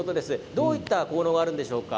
どういった効能があるんでしょうか。